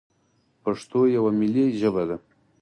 پښتو یوه ملي ژبه ده.